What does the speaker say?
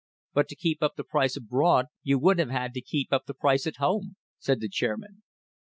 "But to keep up the price abroad you would have to keep up the price at home," said the chairman.